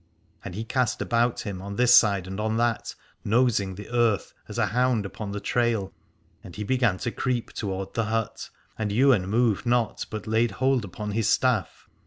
And he cast about him on this side and on that, nosing the earth as a hound upon the trail : and he began to creep toward the hut, and Ywain moved not but laid hold upon his staff.